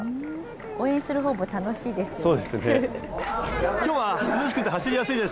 応援するほうも楽しいですよね。